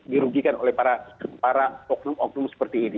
dirugikan oleh para hukum hukum seperti ini